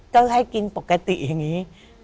ก็ให้กินปกติอย่างนี้